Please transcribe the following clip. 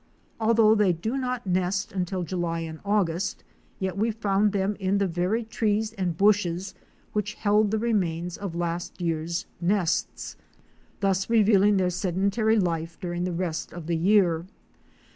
Although they do not nest until July and August, yet we found them in the very trees and bushes which held the remains of last year's nests, thus revealing their sedentary life during the rest of the year.